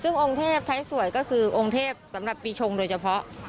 ซึ่งองค์เทพไทยสวยก็คือองค์เทพสำหรับปีชงโดยเฉพาะ